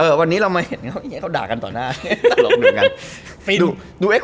เออวันนี้เรามาเห็นเขาเขาด่ากันต่อหน้าตลกหนึ่งอ่ะ